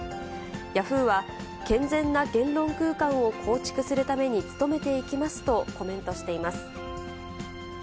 ヤフーは、健全な言論空間を構築するために努めていきますとコメントしています。